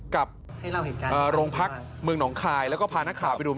กับโรงพักเมืองหนองคายแล้วก็พานักข่าวไปดู